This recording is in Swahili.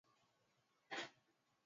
Hata mama anataka maziwa.